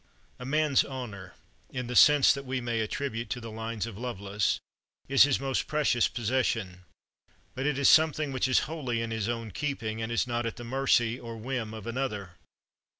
A man's honor, in the sense that we may attribute to the lines of Lovelace, is his most precious possession. But it is something which is wholly in his own keeping, and is not at the mercy or whim of another.